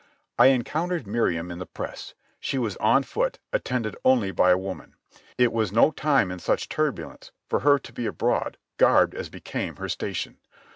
I encountered Miriam in the press. She was on foot, attended only by a woman. It was no time in such turbulence for her to be abroad garbed as became her station.